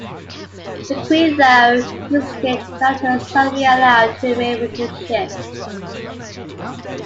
The Queen, though, insisted that her son be allowed to remain with his ship.